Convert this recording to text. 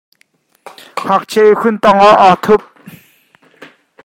Ngakchia ihkhun tang ah aa thup.